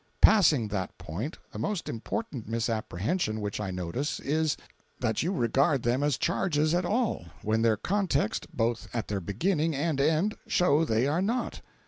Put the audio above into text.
"Passing that point, the most important misapprehension which I notice is, that you regard them as 'charges' at all, when their context, both at their beginning and end, show they are not.